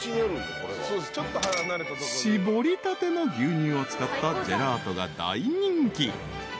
［搾りたての牛乳を使ったジェラートが大人気］